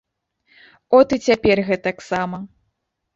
От і цяпер гэтаксама.